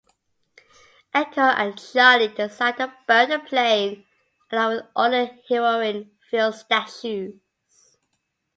Eko and Charlie decide to burn the plane along with all the heroin-filled statues.